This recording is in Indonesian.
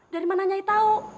dari mana nyai tahu